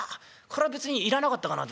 これは別にいらなかったかな」。